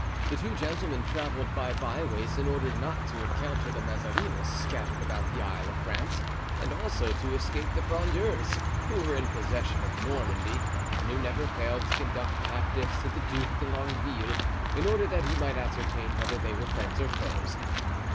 The two gentlemen traveled by byways in order not to encounter the Mazarinists scattered about the Isle of France, and also to escape the Frondeurs, who were in possession of Normandy and who never failed to conduct captives to the Duc de Longueville, in order that he might ascertain whether they were friends or foes.